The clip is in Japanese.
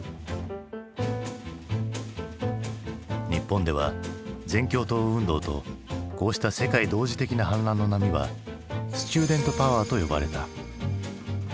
日本では全共闘運動とこうした世界同時的な反乱の波は「スチューデント・パワー」と呼ばれた。